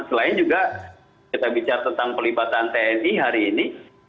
selain juga kita bicara tentang pelibatan tni hari ini